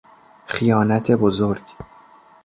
خیانت بزرگ